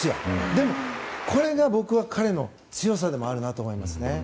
でも、これが僕は彼の強さでもあるなと思うんです。